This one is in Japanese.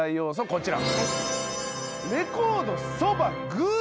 こちら。